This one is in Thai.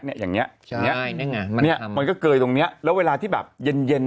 อย่างเงี้อย่างเงี้ใช่นี่ไงเนี้ยมันก็เกยตรงเนี้ยแล้วเวลาที่แบบเย็นเย็น